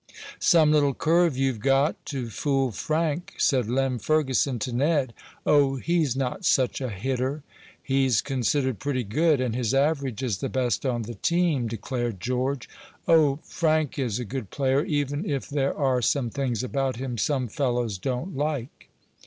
"Some little curve you've got, to fool Frank," said Lem Ferguson to Ned. "Oh, he's not such a hitter." "He's considered pretty good, and his average is the best on the team," declared George. "Oh, Frank is a good player, even if there are some things about him some fellows don't like."